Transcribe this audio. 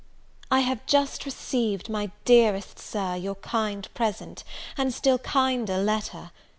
I HAVE just received, my dearest Sir, your kind present, and still kinder letter.